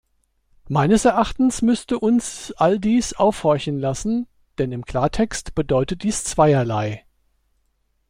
Meines Erachtens müsste uns all dies aufhorchen lassen, denn im Klartext bedeutet dies zweierlei.